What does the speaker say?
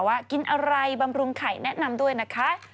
ว่ากินอะไรบำรุงไข่แนะนำด้วยนะคะ